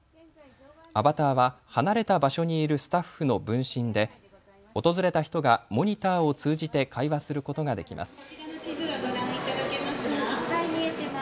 アバターは離れた場所にいるスタッフの分身で訪れた人がモニターを通じて会話することができます。